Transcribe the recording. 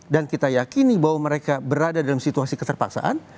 dan kita yakini bahwa mereka berada dalam situasi keterpaksaan